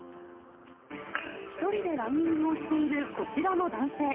１人でランニングをしているこちらの男性。